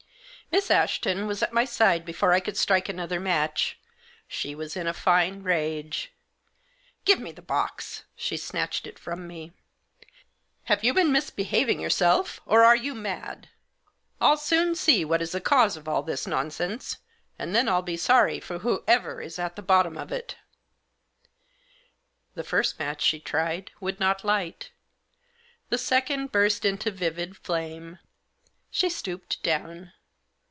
Miss Ashton was at my side before I could strike another match. She was in a fine rage. " Give me the box !" She snatched it from me. "Have you been misbehaving yourself? or are you mad? Til soon see what is the cause of all this nonsense, and then I'll be sorry for whoever is at the bottom of it." The first match she tried would not light. The second burst into vivid flame. She stooped down.